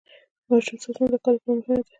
د ماشوم ساتنه د کار لپاره مهمه ده.